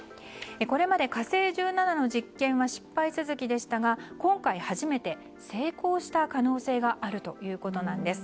これまで「火星１７」の実験は失敗続きでしたが今回初めて成功した可能性があるということなんです。